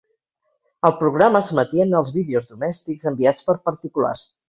Al programa s'emetien els vídeos domèstics enviats per particulars.